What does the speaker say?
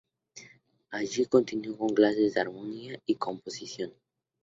Allí continuó con clases de armonía y composición.